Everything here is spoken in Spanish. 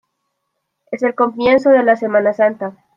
Es el comienzo de la Semana Santa.